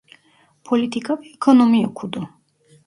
Politika ve ekonomi okudu.